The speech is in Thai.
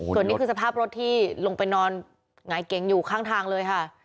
ส่วนนี้คือสภาพรถที่ลงไปนอนหงายเก๋งอยู่ข้างทางเลยค่ะ